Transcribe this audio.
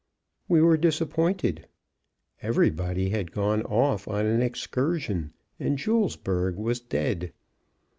We were disappointed. Everybody had gone off on an excursion, and Julesburg was dead.